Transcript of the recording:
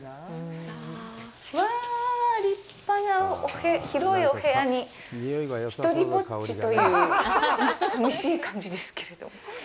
うわあ、立派な広いお部屋にひとりぼっちという寂しい感じですけれども。